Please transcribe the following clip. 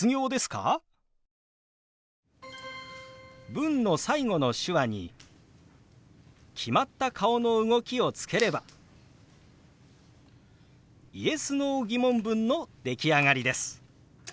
文の最後の手話に決まった顔の動きをつければＹｅｓ／Ｎｏー疑問文の出来上がりです。